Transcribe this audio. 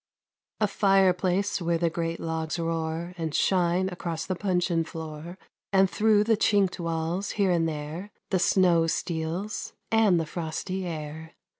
A fire place where the great logs roar And shine across the puncheon floor, And through the chinked walls, here and there, The snow steals, and the frosty air.